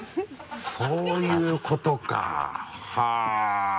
そういうことかはぁ。